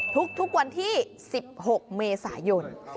ทุกวันที่๑๖เมษายน